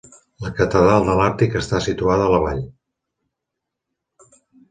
La Catedral de l'Àrtic està situada a la vall.